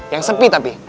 yang sepi tapi